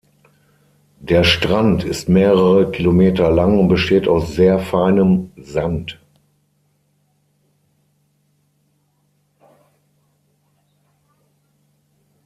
Der Strand ist mehrere Kilometer lang und besteht aus sehr feinem Sand.